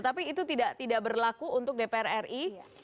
tapi itu tidak berlaku untuk dpr ri